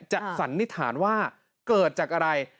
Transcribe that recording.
สันนิษฐานว่าเกิดจากอะไร